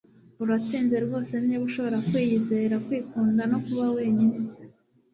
uratsinze rwose niba ushobora kwiyizera, kwikunda, no kuba wenyine